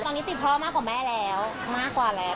ตอนนี้ติดพ่อมากกว่าแม่แล้วมากกว่าแล้ว